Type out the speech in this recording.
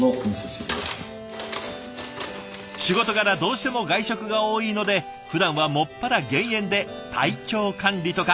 仕事柄どうしても外食が多いのでふだんは専ら減塩で体調管理とか。